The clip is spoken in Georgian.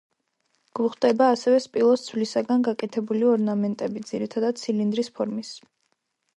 გვხვდება ასევე სპილოს ძვლისაგან გაკეთებული ორნამენტები, ძირითადად ცილინდრის ფორმის.